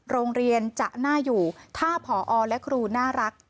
โรงเรียนจะน่าอยู่ถ้าผอและครูน่ารัก